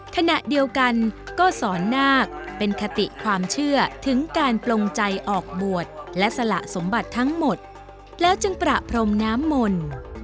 ขณะเดียวกันก็สอนนาคเป็นคติความเชื่อถึงการปลงใจออกบวชและสละสมบัติทั้งหมดแล้วจึงประพรมน้ำมนต์